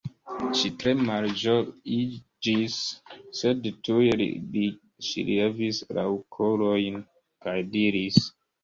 Ŝi tre malĝojiĝis, sed tuj ŝi levis la okulojn kaj diris: